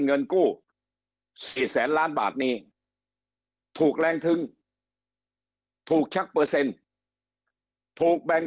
เงินกู้๔แสนล้านบาทนี้ถูกแรงทึ้งถูกชักเปอร์เซ็นต์ถูกแบ่ง